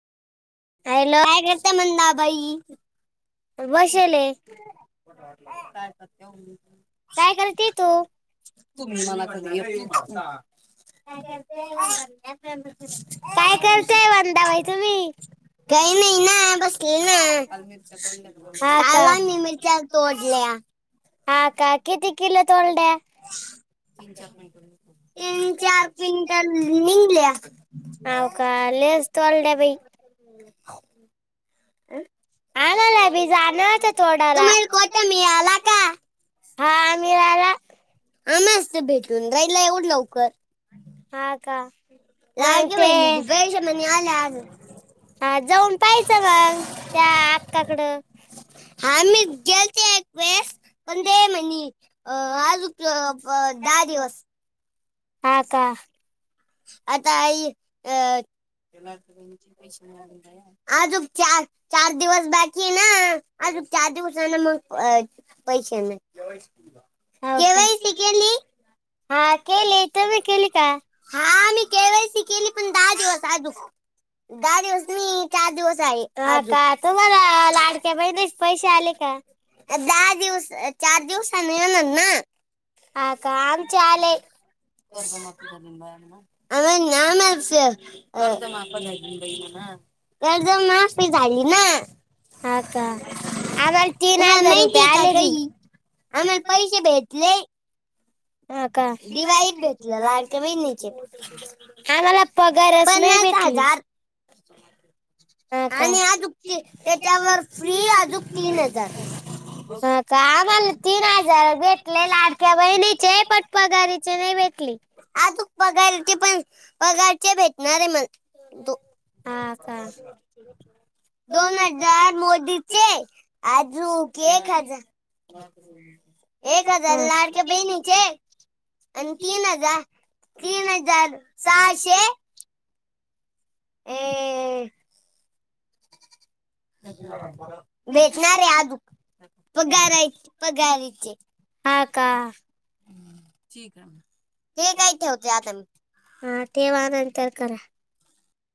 Hello काय करता म्हण ना भाई वषले काय सत्य काय करते तू तुम्ही मला काय करतेय वंदाबाई तुम्ही काही महिना बस घ ना हा का कालाी मिरच्या तोडल्या. हा का किती किलो तोंड्या. तीन चार क्विंटल निघल्या. अवका लज तोलडेवही. आणायला बी जाणार होतं तोडाला तुम्हाला कोठ मिळाला का. हा आम्हीला. ह मस्त भेटून राहिला एवढं लवकर. ह का मग लाडके ते. बहिणीचे पैसे म्हणे आले आज हा जाऊन पाहिचं मग त्या अक्काकडं. हा मी गेलती एक वेळेस. पण ते म्हनी अ आज दहा दिवस. हा का. आता आई अ पै. अजुक चार चार दिवस बाकी आहे ना अजुक चार दिवस मग. अ पैसे हो केवाय श का केली. हा केली त् केली का. हा मी केवायसी केली पण दहा दिवस आ दिवस दहा दिवस मी चार दिवस. आहे अजून का तुम्हाला लाडक्या बहि पैसे आले का? दहा दिवस चार दिवसानी येणार ना. ह का आमचे आले. आ ान अयच तर जर माफी झाली ना. हा का आम्हाला तीन तुम्हाला हजार रुपये माहिती का आले बी. काही आम्हाला पैसे भेटले. हा का. दिवाळीत भेटलं लाडक्या बहिणीचे आम्हाला पगारस नाही भेटला. ह [inaudible] हा काच्या त्याच्यावर फ्री अजून तीन हजार ह का आम्हाला तीन हजार भेटले लाडक्या बहिणीचे पटपघारीचे नाही भेटली. आ तू पगारचे पण पगारचे भेटणार आहे म तू हा का. दोन हजार मोदीचे आजक एक हजार. एक हजार हा. लाडक बहिणीचे. आणि तीन हजार तीन हजार सहाशे. अ. त्याप [unintelligible] भेटणारे आदुक पगाराय पगाराचे. हा का ठी आहे ते का इ ठे होते आता म. हा ठेवानंतर करा.